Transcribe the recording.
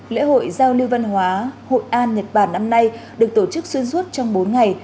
lễ hội giao lưu văn hóa hội an nhật bản năm nay được tổ chức xuyên suốt trong bốn ngày